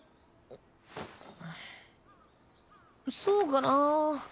そうかなぁ。